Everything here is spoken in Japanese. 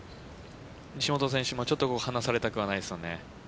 西本選手も離されたくはないですよね。